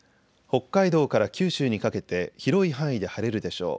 北海道から九州にかけて広い範囲で晴れるでしょう。